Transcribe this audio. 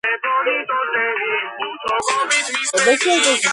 დარვინს ამის თქმა სურდა.